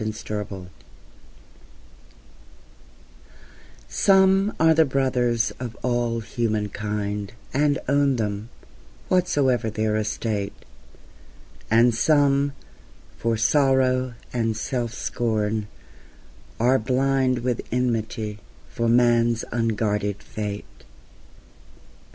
The World Some are the brothers of all humankind, And own them, whatsoever their estate; And some, for sorrow and self scorn, are blind With enmity for man's unguarded fate.